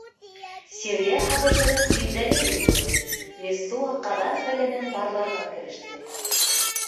— Сиргә һабышырың билдәле инде, — Мессуа ҡаҙан-фә-ләнен барларға кереште.